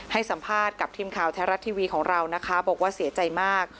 ให้สัมภาษณ์กับทีมข่าวแท้รัฐทีวีของเรานะคะบอกว่าเสียใจมาก